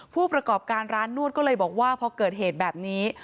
ผู้ประกอบการร้านนวดก็เลยบอกว่าพอเกิดเหตุแบบนี้